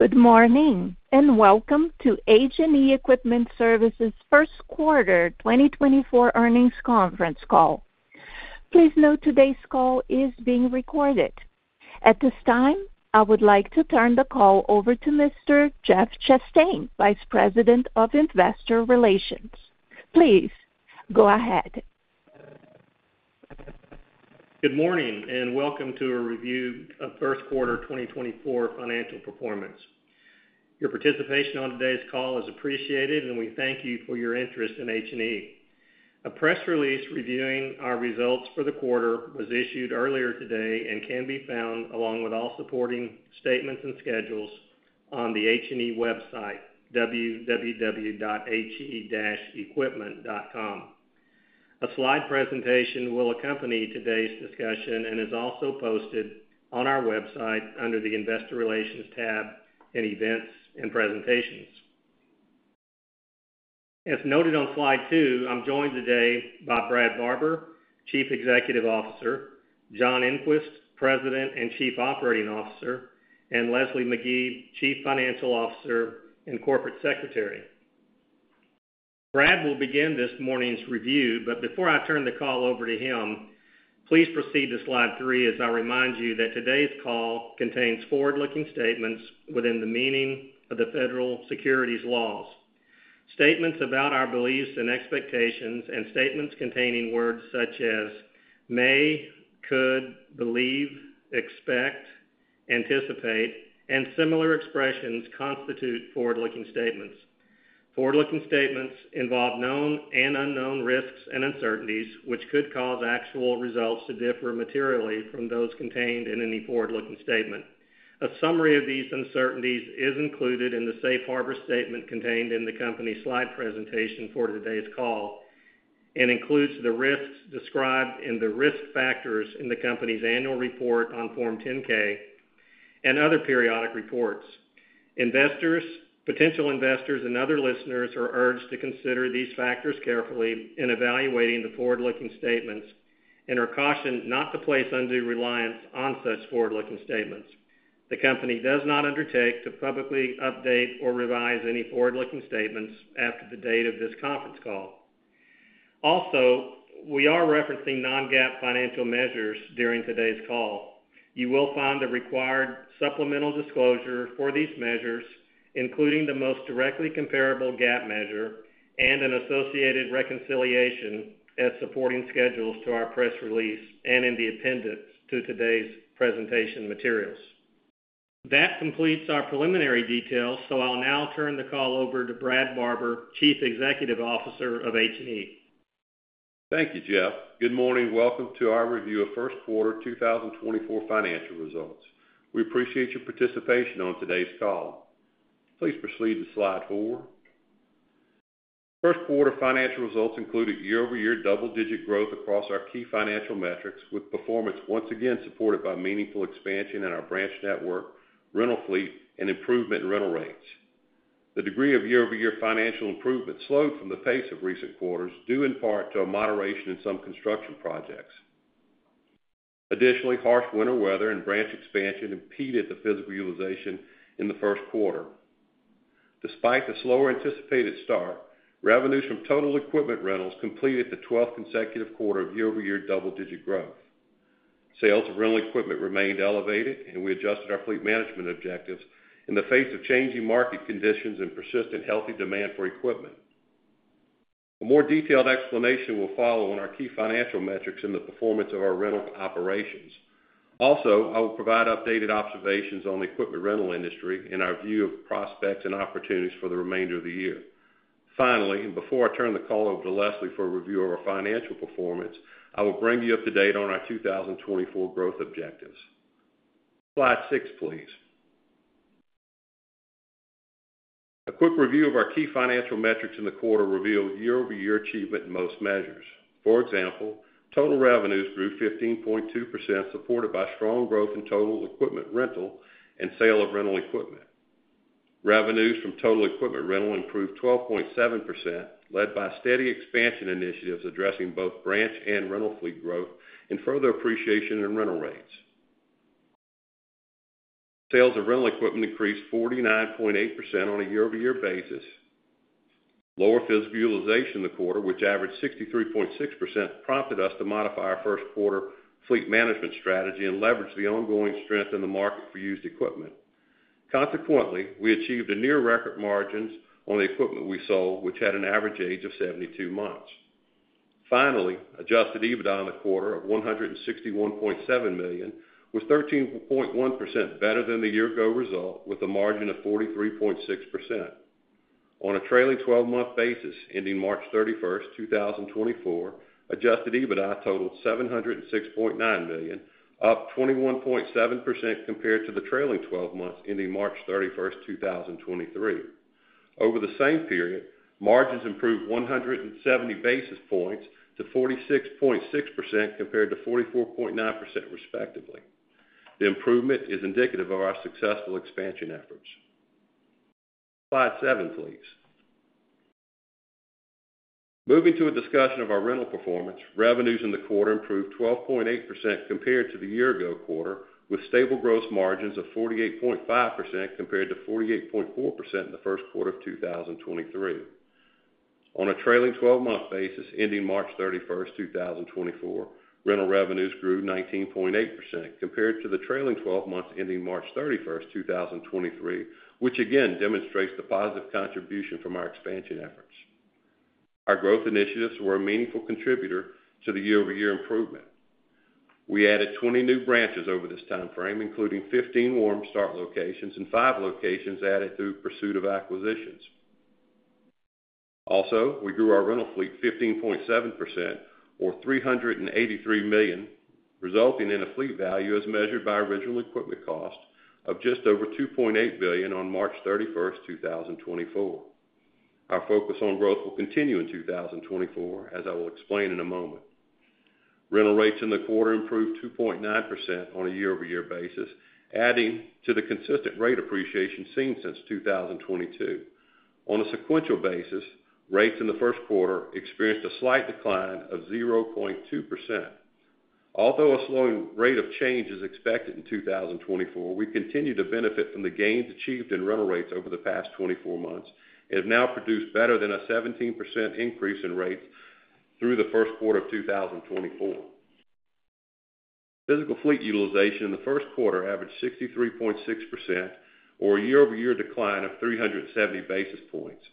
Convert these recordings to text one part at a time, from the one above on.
Good morning, and welcome to H&E Equipment Services' first quarter 2024 earnings conference call. Please note today's call is being recorded. At this time, I would like to turn the call over to Mr. Jeff Chastain, Vice President of Investor Relations. Please, go ahead. Good morning, and welcome to a review of first quarter 2024 financial performance. Your participation on today's call is appreciated, and we thank you for your interest in H&E. A press release reviewing our results for the quarter was issued earlier today and can be found, along with all supporting statements and schedules, on the H&E website, www.he-equipment.com. A slide presentation will accompany today's discussion and is also posted on our website under the Investor Relations tab in Events and Presentations. As noted on slide two, I'm joined today by Brad Barber, Chief Executive Officer, John Engquist, President and Chief Operating Officer, and Leslie Magee, Chief Financial Officer and Corporate Secretary. Brad will begin this morning's review, but before I turn the call over to him, please proceed to slide three as I remind you that today's call contains forward-looking statements within the meaning of the federal securities laws. Statements about our beliefs and expectations and statements containing words such as may, could, believe, expect, anticipate, and similar expressions constitute forward-looking statements. Forward-looking statements involve known and unknown risks and uncertainties, which could cause actual results to differ materially from those contained in any forward-looking statement. A summary of these uncertainties is included in the safe harbor statement contained in the company's slide presentation for today's call and includes the risks described in the risk factors in the company's annual report on Form 10-K and other periodic reports. Investors, potential investors, and other listeners are urged to consider these factors carefully in evaluating the forward-looking statements and are cautioned not to place undue reliance on such forward-looking statements. The company does not undertake to publicly update or revise any forward-looking statements after the date of this conference call. Also, we are referencing non-GAAP financial measures during today's call. You will find the required supplemental disclosure for these measures, including the most directly comparable GAAP measure and an associated reconciliation, as supporting schedules to our press release and in the appendix to today's presentation materials. That completes our preliminary details, so I'll now turn the call over to Brad Barber, Chief Executive Officer of H&E. Thank you, Jeff. Good morning. Welcome to our review of first quarter 2024 financial results. We appreciate your participation on today's call. Please proceed to slide four. First quarter financial results included year-over-year double-digit growth across our key financial metrics, with performance once again supported by meaningful expansion in our branch network, rental fleet, and improvement in rental rates. The degree of year-over-year financial improvement slowed from the pace of recent quarters, due in part to a moderation in some construction projects. Additionally, harsh winter weather and branch expansion impeded the physical utilization in the first quarter. Despite the slower-anticipated start, revenues from total equipment rentals completed the 12th consecutive quarter of year-over-year double-digit growth. Sales of rental equipment remained elevated, and we adjusted our fleet management objectives in the face of changing market conditions and persistent healthy demand for equipment. A more detailed explanation will follow on our key financial metrics and the performance of our rental operations. Also, I will provide updated observations on the equipment rental industry and our view of prospects and opportunities for the remainder of the year. Finally, before I turn the call over to Leslie for a review of our financial performance, I will bring you up to date on our 2024 growth objectives. Slide 6, please. A quick review of our key financial metrics in the quarter revealed year-over-year achievement in most measures. For example, total revenues grew 15.2%, supported by strong growth in total equipment rental and sale of rental equipment. Revenues from total equipment rental improved 12.7%, led by steady expansion initiatives addressing both branch and rental fleet growth and further appreciation in rental rates. Sales of rental equipment increased 49.8% on a year-over-year basis. Lower physical utilization in the quarter, which averaged 63.6%, prompted us to modify our first quarter fleet management strategy and leverage the ongoing strength in the market for used equipment. Consequently, we achieved a near record margins on the equipment we sold, which had an average age of 72 months. Finally, Adjusted EBITDA in the quarter of $161.7 million was 13.1% better than the year ago result, with a margin of 43.6%. On a trailing twelve-month basis, ending March 31st, 2024, Adjusted EBITDA totaled $706.9 million, up 21.7% compared to the trailing twelve months ending March 31st, 2023. Over the same period, margins improved 170 basis points to 46.6% compared to 44.9%, respectively. The improvement is indicative of our successful expansion efforts. Slide seven, please. Moving to a discussion of our rental performance. Revenues in the quarter improved 12.8% compared to the year-ago quarter, with stable gross margins of 48.5%, compared to 48.4% in the first quarter of 2023. On a trailing twelve-month basis ending March 31st, 2024, rental revenues grew 19.8% compared to the trailing twelve months ending March 31st, 2023, which again demonstrates the positive contribution from our expansion efforts. Our growth initiatives were a meaningful contributor to the year-over-year improvement. We added 20 new branches over this time frame, including 15 warm start locations and 5 locations added through pursuit of acquisitions. Also, we grew our rental fleet 15.7% or $383 million, resulting in a fleet value as measured by original equipment cost of just over $2.8 billion on March 31, 2024. Our focus on growth will continue in 2024, as I will explain in a moment. Rental rates in the quarter improved 2.9% on a year-over-year basis, adding to the consistent rate appreciation seen since 2022. On a sequential basis, rates in the first quarter experienced a slight decline of 0.2%. Although a slowing rate of change is expected in 2024, we continue to benefit from the gains achieved in rental rates over the past 24 months, and have now produced better than a 17% increase in rates through the first quarter of 2024. Physical fleet utilization in the first quarter averaged 63.6%, or a year-over-year decline of 370 basis points.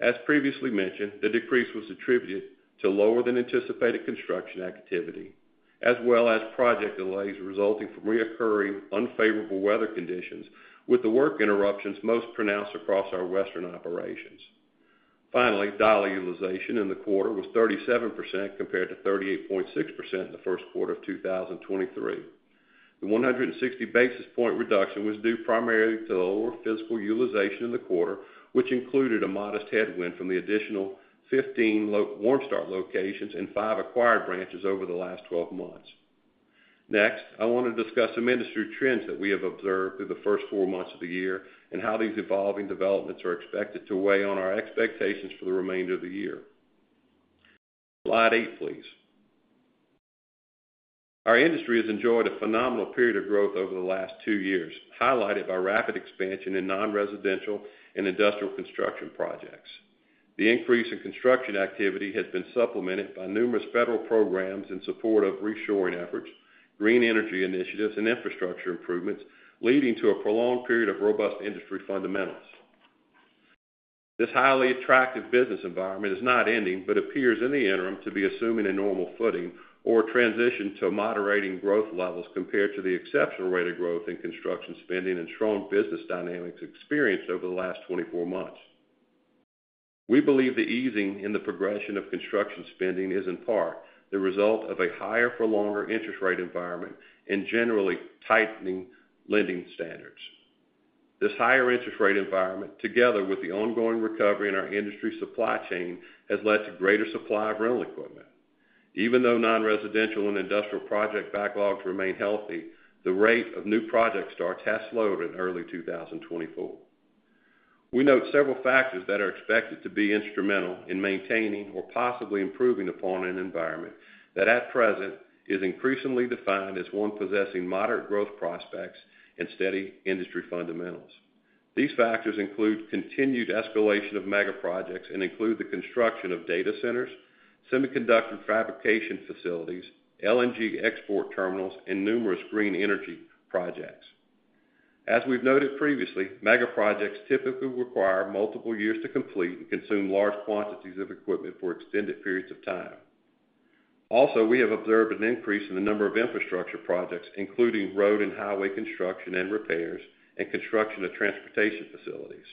As previously mentioned, the decrease was attributed to lower than anticipated construction activity, as well as project delays resulting from recurring unfavorable weather conditions with the work interruptions most pronounced across our western operations. Finally, dollar utilization in the quarter was 37%, compared to 38.6% in the first quarter of 2023. The 160 basis points reduction was due primarily to the lower physical utilization in the quarter, which included a modest headwind from the additional 15 warm start locations and five acquired branches over the last 12 months. Next, I want to discuss some industry trends that we have observed through the first four months of the year, and how these evolving developments are expected to weigh on our expectations for the remainder of the year. Slide eight, please. Our industry has enjoyed a phenomenal period of growth over the last two years, highlighted by rapid expansion in non-residential and industrial construction projects. The increase in construction activity has been supplemented by numerous federal programs in support of reshoring efforts, green energy initiatives, and infrastructure improvements, leading to a prolonged period of robust industry fundamentals. This highly attractive business environment is not ending, but appears in the interim to be assuming a normal footing or transition to moderating growth levels compared to the exceptional rate of growth in construction spending and strong business dynamics experienced over the last 24 months. We believe the easing in the progression of construction spending is in part the result of a higher for longer interest rate environment and generally tightening lending standards. This higher interest rate environment, together with the ongoing recovery in our industry supply chain, has led to greater supply of rental equipment. Even though non-residential and industrial project backlogs remain healthy, the rate of new project starts has slowed in early 2024. We note several factors that are expected to be instrumental in maintaining or possibly improving upon an environment that, at present, is increasingly defined as one possessing moderate growth prospects and steady industry fundamentals. These factors include continued escalation of mega projects and include the construction of data centers, semiconductor fabrication facilities, LNG export terminals, and numerous green energy projects. As we've noted previously, mega projects typically require multiple years to complete and consume large quantities of equipment for extended periods of time. Also, we have observed an increase in the number of infrastructure projects, including road and highway construction and repairs, and construction of transportation facilities.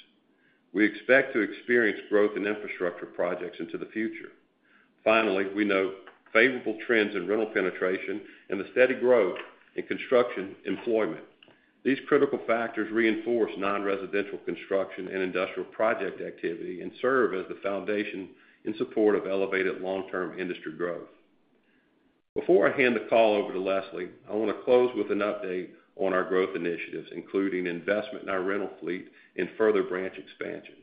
We expect to experience growth in infrastructure projects into the future. Finally, we note favorable trends in rental penetration and the steady growth in construction employment. These critical factors reinforce non-residential construction and industrial project activity and serve as the foundation in support of elevated long-term industry growth. Before I hand the call over to Leslie, I want to close with an update on our growth initiatives, including investment in our rental fleet and further branch expansion.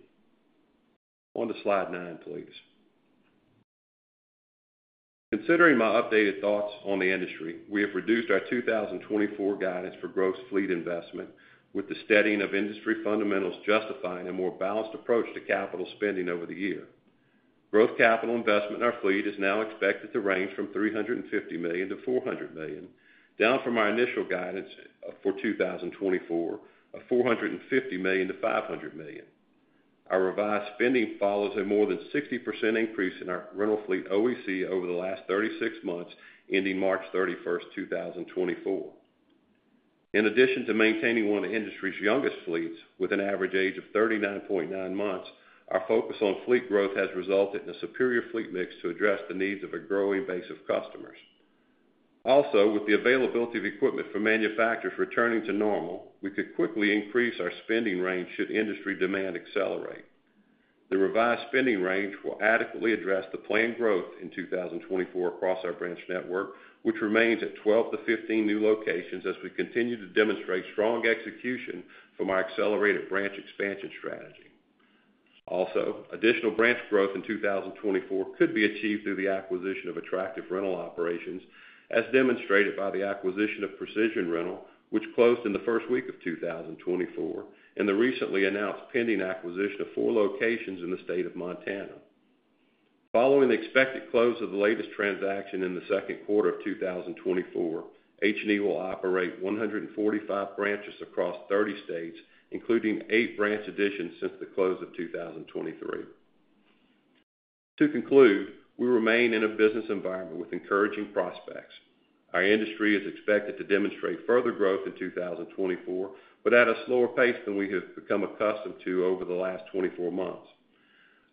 On to slide nine, please. Considering my updated thoughts on the industry, we have reduced our 2024 guidance for gross fleet investment, with the steadying of industry fundamentals justifying a more balanced approach to capital spending over the year. Growth capital investment in our fleet is now expected to range from $350 million-$400 million, down from our initial guidance for 2024, of $450 million-$500 million. Our revised spending follows a more than 60% increase in our rental fleet OEC over the last 36 months, ending March 31st, 2024. In addition to maintaining one of the industry's youngest fleets, with an average age of 39.9 months, our focus on fleet growth has resulted in a superior fleet mix to address the needs of a growing base of customers. Also, with the availability of equipment for manufacturers returning to normal, we could quickly increase our spending range should industry demand accelerate. The revised spending range will adequately address the planned growth in 2024 across our branch network, which remains at 12-15 new locations as we continue to demonstrate strong execution from our accelerated branch expansion strategy. Also, additional branch growth in 2024 could be achieved through the acquisition of attractive rental operations, as demonstrated by the acquisition of Precision Rentals, which closed in the first week of 2024, and the recently announced pending acquisition of four locations in the state of Montana. Following the expected close of the latest transaction in the second quarter of 2024, H&E will operate 145 branches across 30 states, including 8 branch additions since the close of 2023. To conclude, we remain in a business environment with encouraging prospects. Our industry is expected to demonstrate further growth in 2024, but at a slower pace than we have become accustomed to over the last 24 months.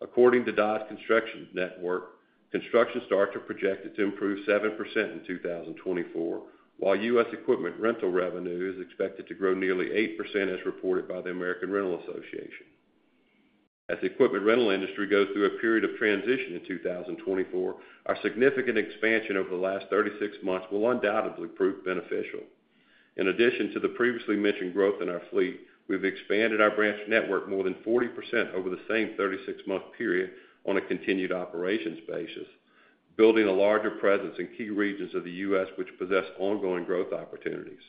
According to Dodge Construction Network, construction starts are projected to improve 7% in 2024, while U.S. equipment rental revenue is expected to grow nearly 8%, as reported by the American Rental Association. As the equipment rental industry goes through a period of transition in 2024, our significant expansion over the last 36 months will undoubtedly prove beneficial. In addition to the previously mentioned growth in our fleet, we've expanded our branch network more than 40% over the same 36-month period on a continued operations basis, building a larger presence in key regions of the U.S., which possess ongoing growth opportunities.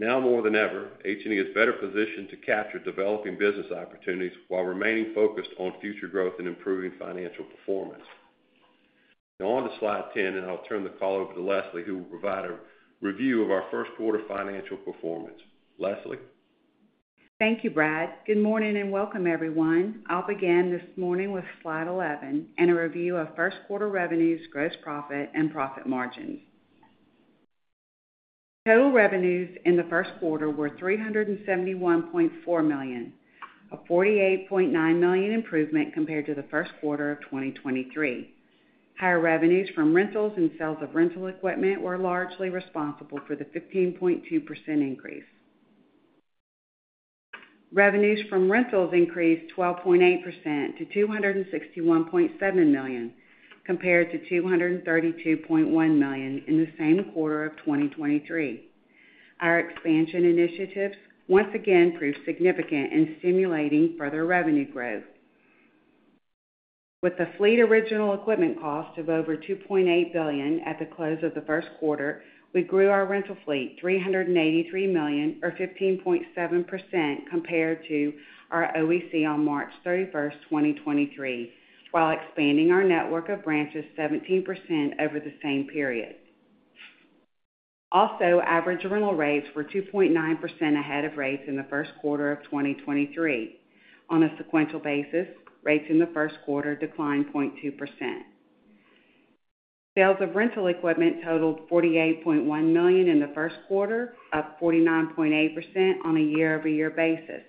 Now more than ever, H&E is better positioned to capture developing business opportunities while remaining focused on future growth and improving financial performance. Now on to Slide 10, and I'll turn the call over to Leslie, who will provide a review of our first quarter financial performance. Leslie? Thank you, Brad. Good morning, and welcome, everyone. I'll begin this morning with Slide 11 and a review of first quarter revenues, gross profit, and profit margins. Total revenues in the first quarter were $371.4 million, a $48.9 million improvement compared to the first quarter of 2023. Higher revenues from rentals and sales of rental equipment were largely responsible for the 15.2% increase. Revenues from rentals increased 12.8% to $261.7 million, compared to $232.1 million in the same quarter of 2023. Our expansion initiatives once again proved significant in stimulating further revenue growth. With the fleet original equipment cost of over $2.8 billion at the close of the first quarter, we grew our rental fleet $383 million, or 15.7%, compared to our OEC on March 31st, 2023, while expanding our network of branches 17% over the same period. Also, average rental rates were 2.9% ahead of rates in the first quarter of 2023. On a sequential basis, rates in the first quarter declined 0.2%. Sales of rental equipment totaled $48.1 million in the first quarter, up 49.8% on a year-over-year basis.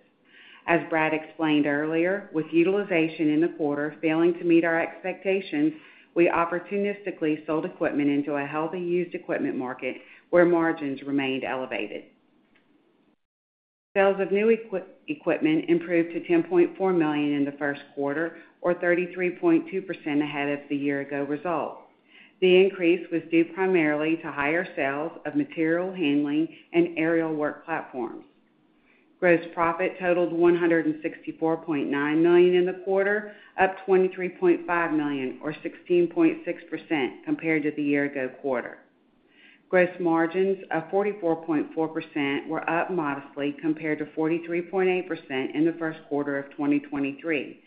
As Brad explained earlier, with utilization in the quarter failing to meet our expectations, we opportunistically sold equipment into a healthy used equipment market where margins remained elevated. Sales of new equipment improved to $10.4 million in the first quarter, or 33.2% ahead of the year-ago result. The increase was due primarily to higher sales of material handling and aerial work platforms. Gross profit totaled $164.9 million in the quarter, up $23.5 million, or 16.6%, compared to the year-ago quarter. Gross margins of 44.4% were up modestly compared to 43.8% in the first quarter of 2023,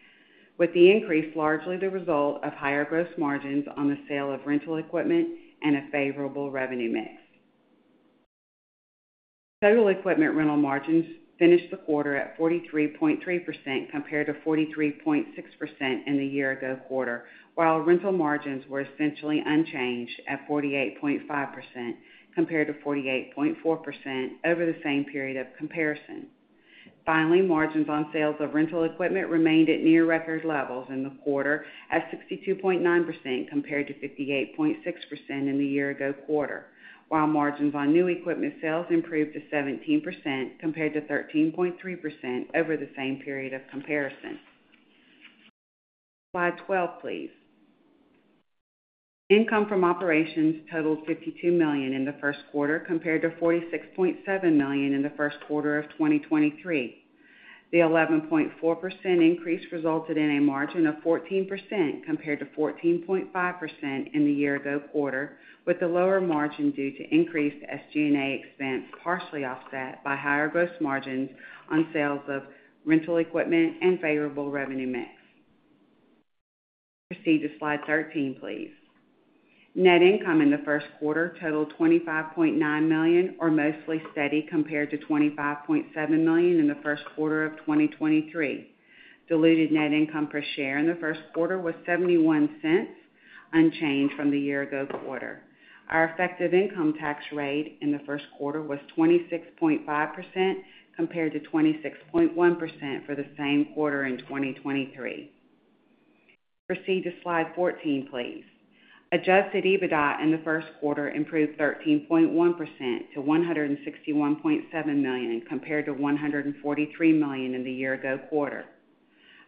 with the increase largely the result of higher gross margins on the sale of rental equipment and a favorable revenue mix. Total equipment rental margins finished the quarter at 43.3%, compared to 43.6% in the year-ago quarter, while rental margins were essentially unchanged at 48.5%, compared to 48.4% over the same period of comparison. Finally, margins on sales of rental equipment remained at near record levels in the quarter at 62.9%, compared to 58.6% in the year-ago quarter, while margins on new equipment sales improved to 17%, compared to 13.3% over the same period of comparison. Slide 12, please. Income from operations totaled $52 million in the first quarter, compared to $46.7 million in the first quarter of 2023. The 11.4% increase resulted in a margin of 14%, compared to 14.5% in the year-ago quarter, with the lower margin due to increased SG&A expense, partially offset by higher gross margins on sales of rental equipment and favorable revenue mix. Proceed to Slide 13, please. Net income in the first quarter totaled $25.9 million, or mostly steady, compared to $25.7 million in the first quarter of 2023. Diluted net income per share in the first quarter was $0.71, unchanged from the year-ago quarter. Our effective income tax rate in the first quarter was 26.5%, compared to 26.1% for the same quarter in 2023. Proceed to Slide 14, please. Adjusted EBITDA in the first quarter improved 13.1% to $161.7 million, compared to $143 million in the year-ago quarter.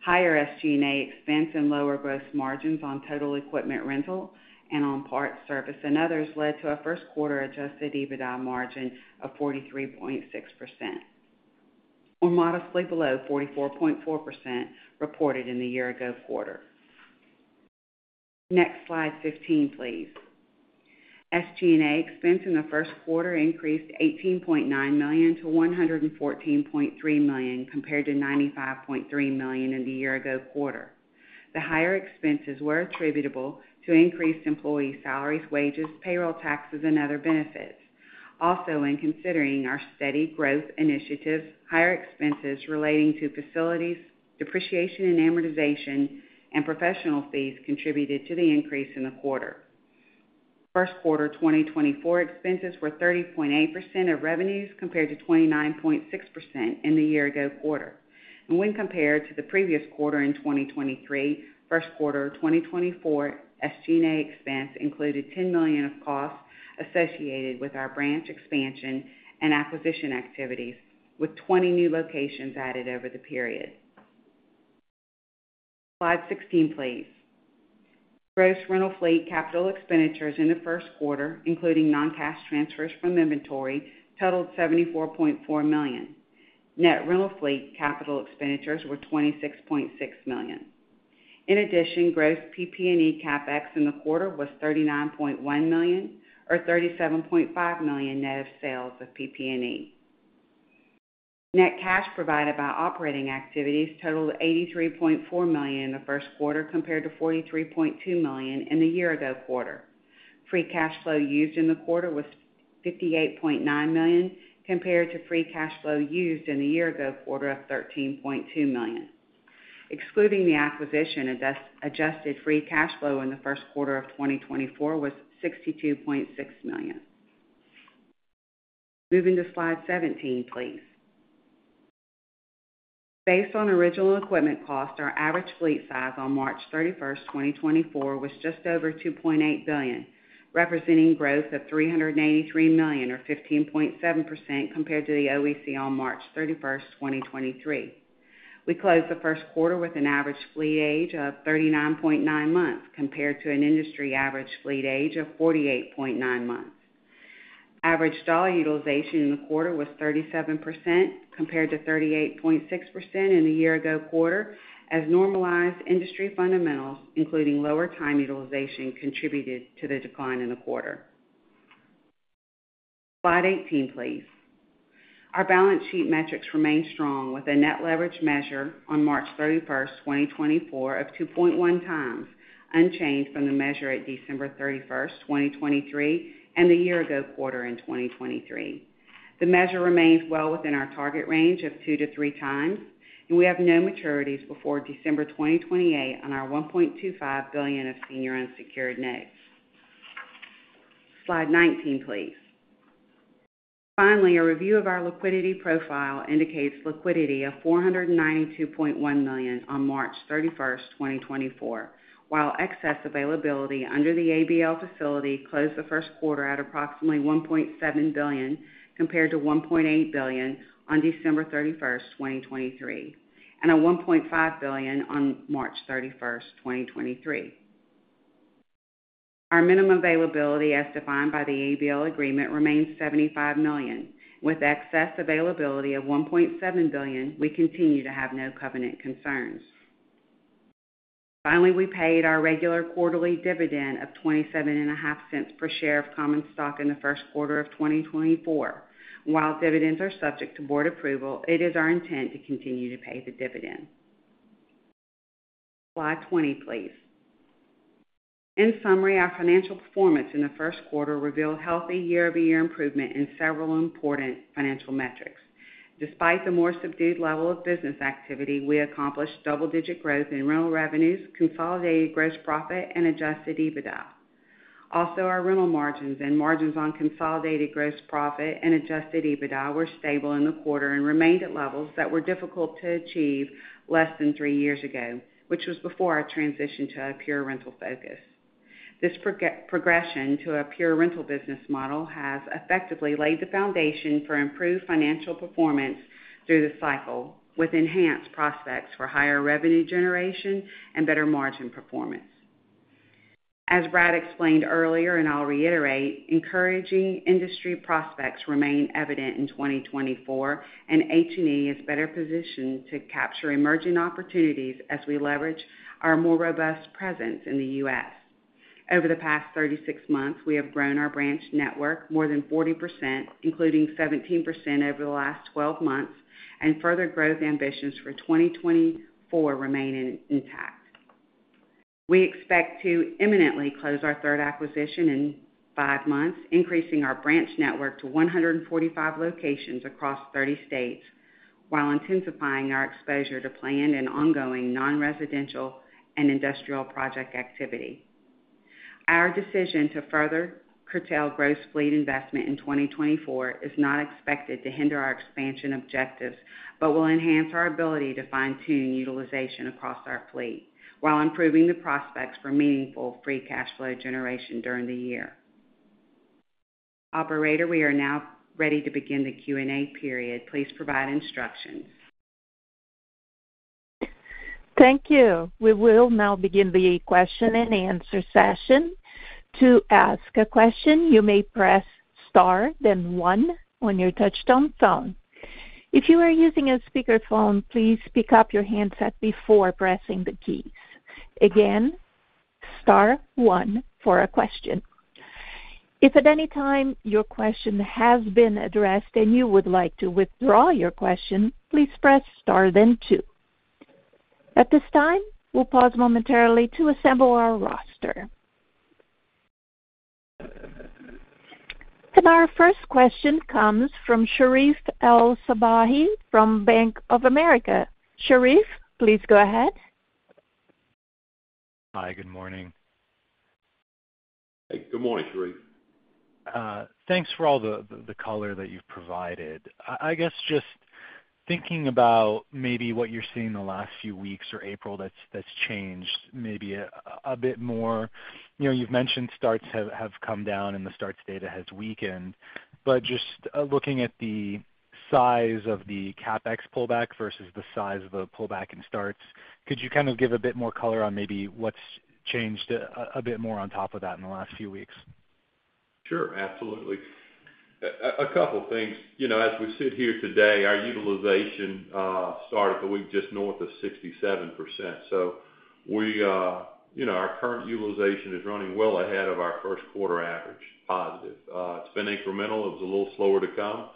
Higher SG&A expense and lower gross margins on total equipment rental and on parts, service, and others led to a first quarter adjusted EBITDA margin of 43.6%, or modestly below 44.4% reported in the year-ago quarter.... Next slide 15, please. SG&A expense in the first quarter increased $18.9 million to $114.3 million, compared to $95.3 million in the year ago quarter. The higher expenses were attributable to increased employee salaries, wages, payroll taxes, and other benefits. Also, in considering our steady growth initiatives, higher expenses relating to facilities, depreciation and amortization, and professional fees contributed to the increase in the quarter. First quarter 2024 expenses were 30.8% of revenues, compared to 29.6% in the year ago quarter. When compared to the previous quarter in 2023, first quarter 2024 SG&A expense included $10 million of costs associated with our branch expansion and acquisition activities, with 20 new locations added over the period. Slide 16, please. Gross rental fleet capital expenditures in the first quarter, including non-cash transfers from inventory, totaled $74.4 million. Net rental fleet capital expenditures were $26.6 million. In addition, gross PP&E CapEx in the quarter was $39.1 million, or $37.5 million net of sales of PP&E. Net cash provided by operating activities totaled $83.4 million in the first quarter, compared to $43.2 million in the year ago quarter. Free cash flow used in the quarter was $58.9 million, compared to free cash flow used in the year ago quarter of $13.2 million. Excluding the acquisition, adjusted free cash flow in the first quarter of 2024 was $62.6 million. Moving to Slide 17, please. Based on original equipment cost, our average fleet size on March 31st, 2024, was just over $2.8 billion, representing growth of $383 million, or 15.7% compared to the OEC on March 31st, 2023. We closed the first quarter with an average fleet age of 39.9 months, compared to an industry average fleet age of 48.9 months. Average dollar utilization in the quarter was 37%, compared to 38.6% in the year-ago quarter, as normalized industry fundamentals, including lower time utilization, contributed to the decline in the quarter. Slide 18, please. Our balance sheet metrics remain strong, with a net leverage measure on March 31, 2024, of 2.1x, unchanged from the measure at December 31st, 2023, and the year-ago quarter in 2023. The measure remains well within our target range of 2x-3x, and we have no maturities before December 2028 on our $1.25 billion of senior unsecured notes. Slide 19, please. Finally, a review of our liquidity profile indicates liquidity of $492.1 million on March 31st, 2024, while excess availability under the ABL facility closed the first quarter at approximately $1.7 billion, compared to $1.8 billion on December 31st, 2023, and at $1.5 billion on March 31st, 2023. Our minimum availability, as defined by the ABL agreement, remains $75 million. With excess availability of $1.7 billion, we continue to have no covenant concerns. Finally, we paid our regular quarterly dividend of $0.275 per share of common stock in the first quarter of 2024. While dividends are subject to board approval, it is our intent to continue to pay the dividend. Slide 20, please. In summary, our financial performance in the first quarter revealed healthy year-over-year improvement in several important financial metrics. Despite the more subdued level of business activity, we accomplished double-digit growth in rental revenues, consolidated gross profit and adjusted EBITDA. Also, our rental margins and margins on consolidated gross profit and adjusted EBITDA were stable in the quarter and remained at levels that were difficult to achieve less than three years ago, which was before our transition to a pure rental focus. This progression to a pure rental business model has effectively laid the foundation for improved financial performance through the cycle, with enhanced prospects for higher revenue generation and better margin performance. As Brad explained earlier, and I'll reiterate, encouraging industry prospects remain evident in 2024, and H&E is better positioned to capture emerging opportunities as we leverage our more robust presence in the U.S. Over the past 36 months, we have grown our branch network more than 40%, including 17% over the last 12 months, and further growth ambitions for 2024 remain intact. We expect to imminently close our third acquisition in five months, increasing our branch network to 145 locations across 30 states, while intensifying our exposure to planned and ongoing non-residential and industrial project activity. Our decision to further curtail gross fleet investment in 2024 is not expected to hinder our expansion objectives, but will enhance our ability to fine-tune utilization across our fleet, while improving the prospects for meaningful free cash flow generation during the year. Operator, we are now ready to begin the Q&A period. Please provide instructions. Thank you. We will now begin the question-and-answer session. To ask a question, you may press star then one on your touchtone phone.... If you are using a speakerphone, please pick up your handset before pressing the keys. Again, star one for a question. If at any time your question has been addressed and you would like to withdraw your question, please press star, then two. At this time, we'll pause momentarily to assemble our roster. Our first question comes from Sherif El-Sabbahy from Bank of America. Sherif, please go ahead. Hi, good morning. Good morning, Sherif. Thanks for all the color that you've provided. I guess just thinking about maybe what you're seeing in the last few weeks or April that's changed maybe a bit more. You know, you've mentioned starts have come down and the starts data has weakened. But just looking at the size of the CapEx pullback versus the size of the pullback in starts, could you kind of give a bit more color on maybe what's changed a bit more on top of that in the last few weeks? Sure, absolutely. A couple things. You know, as we sit here today, our utilization started the week just north of 67%. So we, you know, our current utilization is running well ahead of our first quarter average, positive. It's been incremental, it was a little slower to come,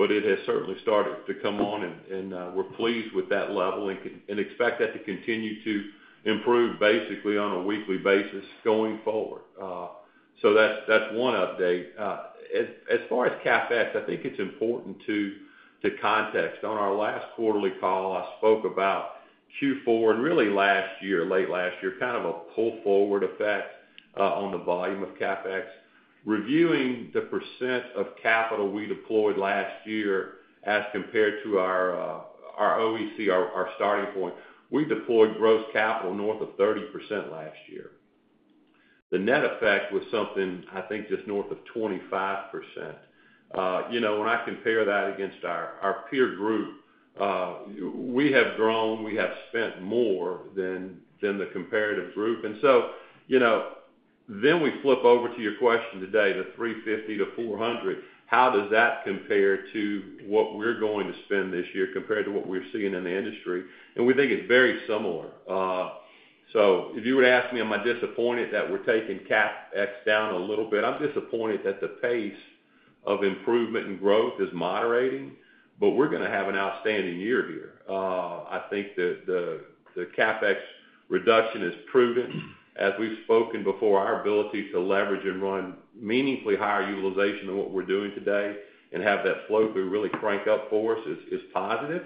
but it has certainly started to come on, and we're pleased with that level and expect that to continue to improve basically on a weekly basis going forward. So that's one update. As far as CapEx, I think it's important to contextualize. On our last quarterly call, I spoke about Q4, and really last year, late last year, kind of a pull forward effect on the volume of CapEx. Reviewing the percent of capital we deployed last year as compared to our OEC, our starting point, we deployed gross capital north of 30% last year. The net effect was something, I think, just north of 25%. You know, when I compare that against our peer group, we have grown, we have spent more than the comparative group. So, you know, then we flip over to your question today, the $350 million-$400 million. How does that compare to what we're going to spend this year compared to what we're seeing in the industry? We think it's very similar. So if you were to ask me, am I disappointed that we're taking CapEx down a little bit? I'm disappointed that the pace of improvement and growth is moderating, but we're gonna have an outstanding year here. I think that the CapEx reduction is prudent. As we've spoken before, our ability to leverage and run meaningfully higher utilization than what we're doing today and have that flow through really crank up for us is positive.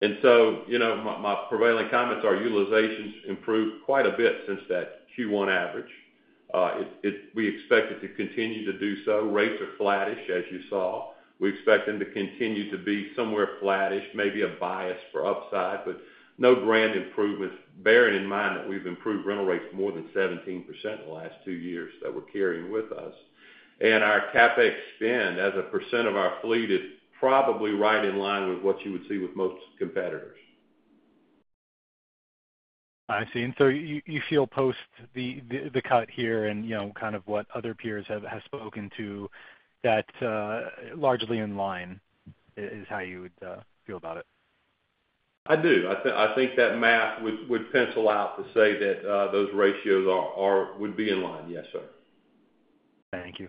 And so, you know, my prevailing comments, our utilization's improved quite a bit since that Q1 average. We expect it to continue to do so. Rates are flattish, as you saw. We expect them to continue to be somewhere flattish, maybe a bias for upside, but no grand improvements, bearing in mind that we've improved rental rates more than 17% in the last two years that we're carrying with us. And our CapEx spend, as a percent of our fleet, is probably right in line with what you would see with most competitors. I see. And so you feel post the cut here and, you know, kind of what other peers have spoken to, that largely in line is how you would feel about it? I do. I think that math would pencil out to say that those ratios would be in line. Yes, sir. Thank you.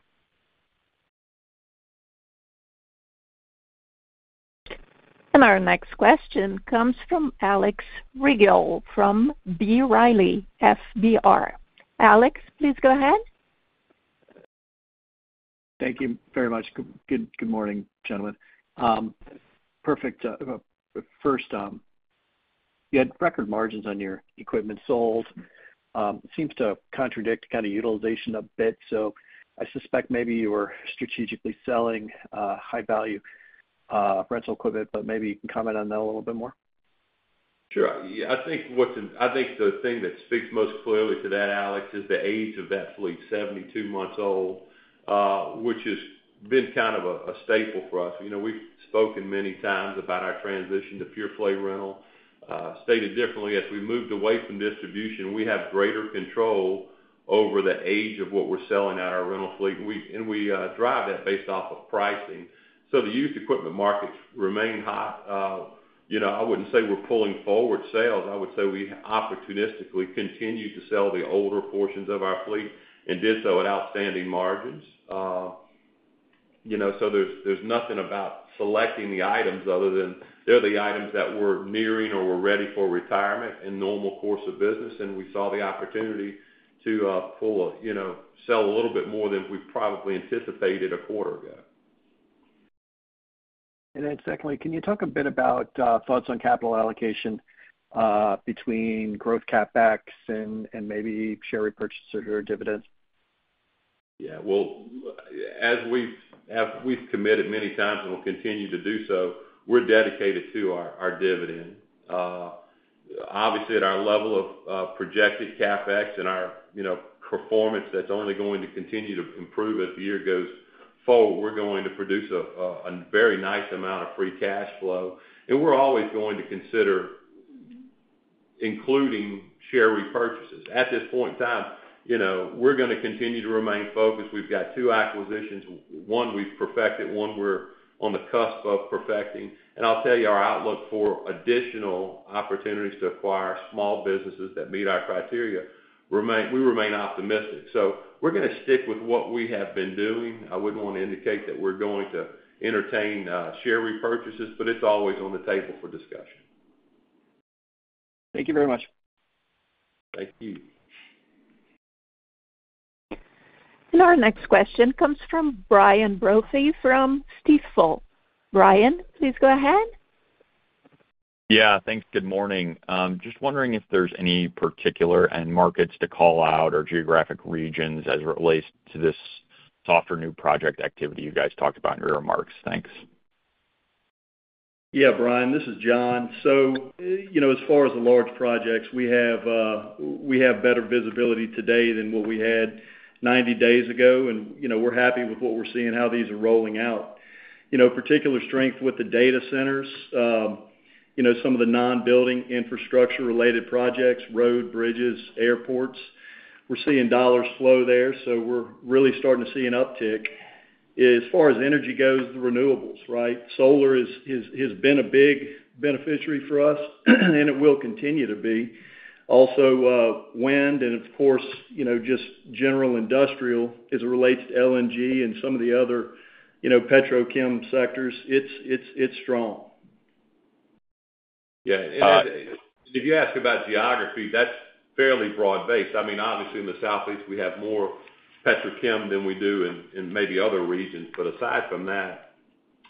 Our next question comes from Alex Rygiel from B. Riley FBR. Alex, please go ahead. Thank you very much. Good morning, gentlemen. Perfect, first, you had record margins on your equipment sold. Seems to contradict kind of utilization a bit, so I suspect maybe you were strategically selling high value rental equipment, but maybe you can comment on that a little bit more. Sure. Yeah, I think what's, I think the thing that speaks most clearly to that, Alex, is the age of that fleet, 72 months old, which has been kind of a, a staple for us. You know, we've spoken many times about our transition to pure play rental. Stated differently, as we moved away from distribution, we have greater control over the age of what we're selling at our rental fleet, and we, and we, drive that based off of pricing. So the used equipment markets remain hot. You know, I wouldn't say we're pulling forward sales. I would say we opportunistically continue to sell the older portions of our fleet and did so at outstanding margins. You know, so there's nothing about selecting the items other than they're the items that were nearing or were ready for retirement in normal course of business, and we saw the opportunity to pull, you know, sell a little bit more than we probably anticipated a quarter ago. And then secondly, can you talk a bit about thoughts on capital allocation between growth CapEx and maybe share repurchases or dividends? Yeah. Well, as we've committed many times and will continue to do so, we're dedicated to our dividend. Obviously, at our level of projected CapEx and our, you know, performance, that's only going to continue to improve as the year goes forward. We're going to produce a very nice amount of free cash flow, and we're always going to consider including share repurchases. At this point in time, you know, we're gonna continue to remain focused. We've got two acquisitions. One we've perfected, one we're on the cusp of perfecting. And I'll tell you, our outlook for additional opportunities to acquire small businesses that meet our criteria. We remain optimistic. So we're gonna stick with what we have been doing. I wouldn't want to indicate that we're going to entertain share repurchases, but it's always on the table for discussion. Thank you very much. Thank you. Our next question comes from Brian Brophy from Stifel. Brian, please go ahead. Yeah, thanks. Good morning. Just wondering if there's any particular end markets to call out, or geographic regions as it relates to this softer new project activity you guys talked about in your remarks? Thanks. Yeah, Brian, this is John. So, you know, as far as the large projects, we have, we have better visibility today than what we had 90 days ago. And, you know, we're happy with what we're seeing, how these are rolling out. You know, particular strength with the data centers, you know, some of the non-building infrastructure-related projects, road, bridges, airports, we're seeing dollars flow there, so we're really starting to see an uptick. As far as energy goes, the renewables, right? Solar is, has been a big beneficiary for us, and it will continue to be. Also, wind and, of course, you know, just general industrial as it relates to LNG and some of the other, you know, petrochem sectors. It's, it's, it's strong. Yeah. And if you ask about geography, that's fairly broad-based. I mean, obviously, in the Southeast, we have more petrochem than we do in maybe other regions. But aside from that,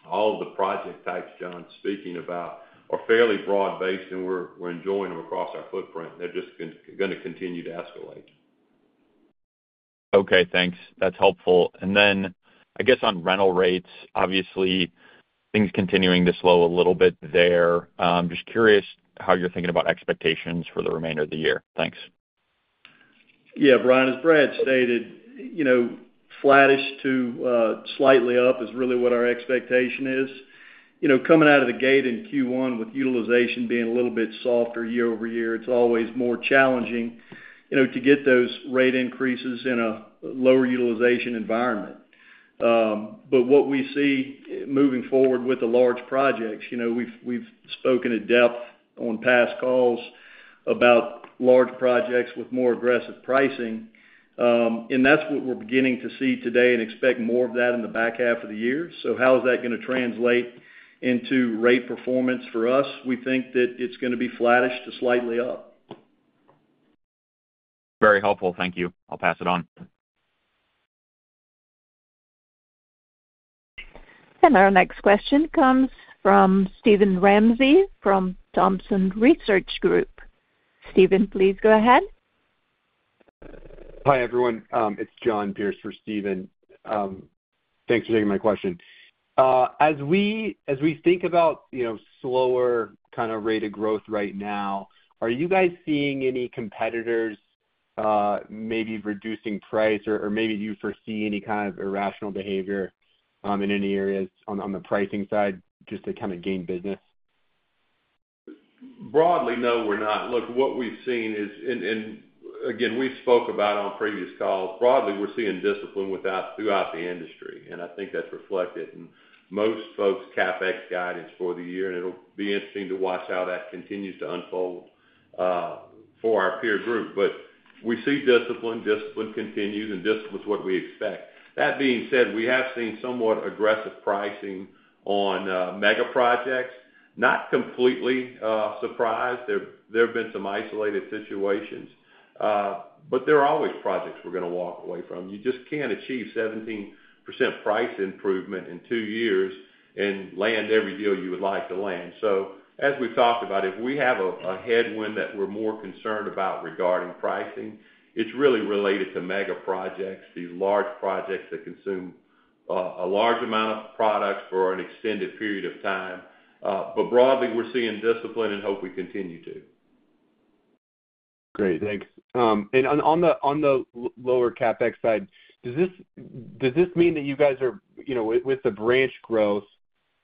all the project types John's speaking about are fairly broad-based, and we're enjoying them across our footprint. They're just gonna continue to escalate. Okay, thanks. That's helpful. And then, I guess, on rental rates, obviously, things continuing to slow a little bit there. Just curious how you're thinking about expectations for the remainder of the year. Thanks. Yeah, Brian, as Brad stated, you know, flattish to slightly up is really what our expectation is. You know, coming out of the gate in Q1 with utilization being a little bit softer year-over-year, it's always more challenging, you know, to get those rate increases in a lower utilization environment. But what we see moving forward with the large projects, you know, we've, we've spoken at depth on past calls about large projects with more aggressive pricing, and that's what we're beginning to see today and expect more of that in the back half of the year. So how is that gonna translate into rate performance for us? We think that it's gonna be flattish to slightly up. Very helpful. Thank you. I'll pass it on. And our next question comes from Steven Ramsey from Thompson Research Group. Steven, please go ahead. Hi, everyone. It's Jon Pierce for Steven. Thanks for taking my question. As we, as we think about, you know, slower kind of rate of growth right now, are you guys seeing any competitors, maybe reducing price? Or, or maybe do you foresee any kind of irrational behavior, in any areas on, on the pricing side, just to kind of gain business? Broadly, no, we're not. Look, what we've seen is. And, and again, we've spoke about on previous calls, broadly, we're seeing discipline throughout the industry, and I think that's reflected in most folks' CapEx guidance for the year, and it'll be interesting to watch how that continues to unfold for our peer group. But we see discipline, discipline continues, and discipline is what we expect. That being said, we have seen somewhat aggressive pricing on mega projects. Not completely surprised. There, there have been some isolated situations, but there are always projects we're gonna walk away from. You just can't achieve 17% price improvement in two years and land every deal you would like to land. So as we've talked about, if we have a headwind that we're more concerned about regarding pricing, it's really related to mega projects, the large projects that consume a large amount of product for an extended period of time. But broadly, we're seeing discipline and hope we continue to. Great, thanks. And on the lower CapEx side, does this mean that you guys are, you know, with the branch growth,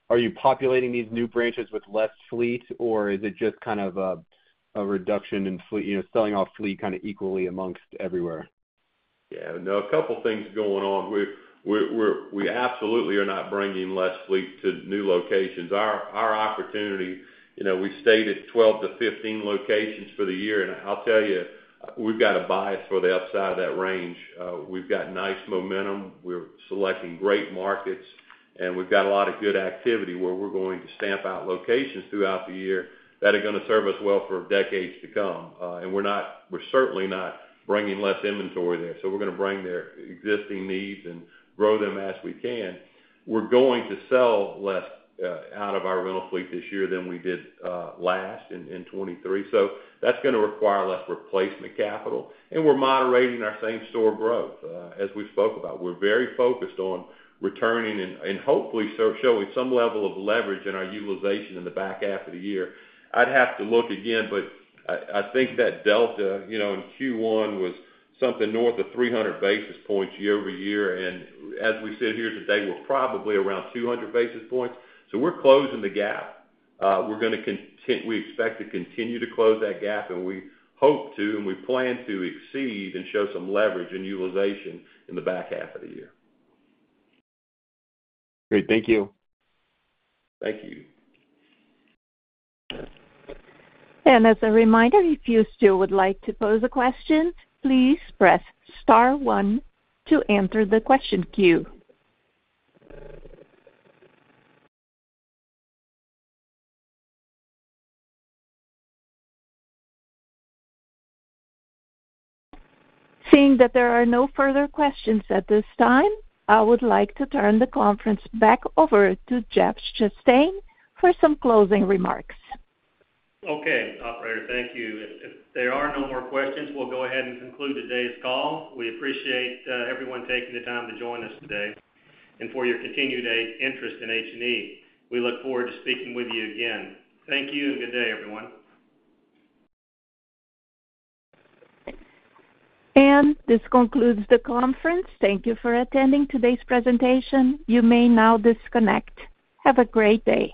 are you populating these new branches with less fleet? Or is it just kind of a reduction in fleet, you know, selling off fleet kind of equally amongst everywhere? Yeah, no, a couple things going on. We're absolutely not bringing less fleet to new locations. Our opportunity, you know, we've stated 12-15 locations for the year, and I'll tell you, we've got a bias for the upside of that range. We've got nice momentum, we're selecting great markets, and we've got a lot of good activity where we're going to stamp out locations throughout the year that are gonna serve us well for decades to come. And we're not, we're certainly not bringing less inventory there, so we're gonna bring their existing needs and grow them as we can. We're going to sell less out of our rental fleet this year than we did last in 2023, so that's gonna require less replacement capital. And we're moderating our same store growth. As we've spoke about, we're very focused on returning and hopefully showing some level of leverage in our utilization in the back half of the year. I'd have to look again, but I think that delta, you know, in Q1, was something north of 300 basis points year-over-year. And as we sit here today, we're probably around 200 basis points. So we're closing the gap. We're gonna we expect to continue to close that gap, and we hope to, and we plan to exceed and show some leverage in utilization in the back half of the year. Great. Thank you. Thank you. As a reminder, if you still would like to pose a question, please press star one to enter the question queue. Seeing that there are no further questions at this time, I would like to turn the conference back over to Jeff Chastain for some closing remarks. Okay, operator, thank you. If there are no more questions, we'll go ahead and conclude today's call. We appreciate everyone taking the time to join us today and for your continued interest in H&E. We look forward to speaking with you again. Thank you, and good day, everyone. This concludes the conference. Thank you for attending today's presentation. You may now disconnect. Have a great day.